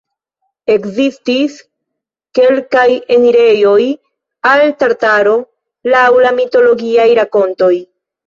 Ekzistis kelkaj enirejoj al Tartaro, laŭ la mitologiaj rakontoj.